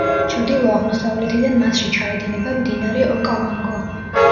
ჩრდილო-აღმოსავლეთიდან მასში ჩაედინება მდინარე ოკავანგო.